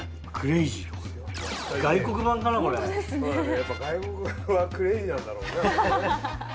やっぱ外国版はクレイジーなんだろうね。